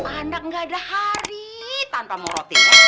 anak gak ada hari tanpa mau roti